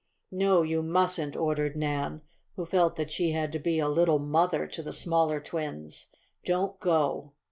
"No, you mustn't," ordered Nan, who felt that she had to be a little mother to the smaller twins. "Don't go!"